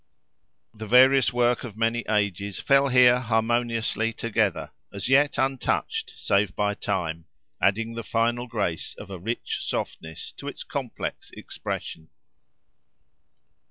The various work of many ages fell here harmoniously together, as yet untouched save by time, adding the final grace of a rich softness to its complex expression.